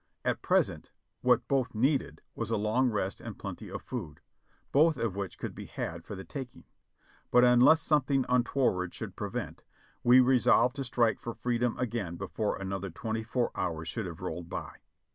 At present what both needed was a long rest and plenty of food, both of which could be had for the taking; but unless something unto ward should prevent, we resolved to strike for freedom again before another twenty four hours should have rolled by.